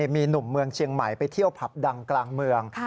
มีหนุ่มเมืองเชียงใหม่ไปเที่ยวผับดังกลางเมือง